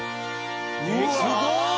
すごーい！